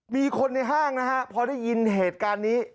มีคนในห้างนะฮะพอได้ยินเหตุการณ์นี้